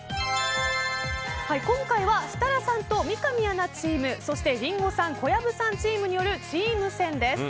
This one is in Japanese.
今回は設楽さんと三上アナチームそしてリンゴさんと小籔さんチームによるチーム戦です。